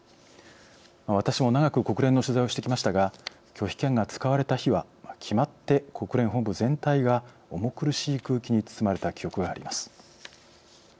私も長く国連の取材をしてきましたが拒否権が使われた日は決まって国連本部全体が重苦しい空気に包まれた記憶があります。